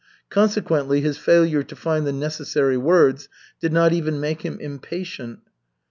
Consequently his failure to find the necessary words did not even make him impatient.